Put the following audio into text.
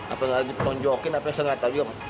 apa nggak diponjokin apa nggak saya nggak tahu juga